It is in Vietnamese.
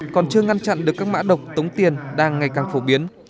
còn chưa ngăn chặn được các mã độc tống tiền đang ngày càng phổ biến